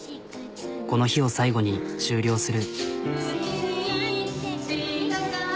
この日を最後に終了する。